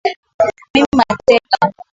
mimi mateka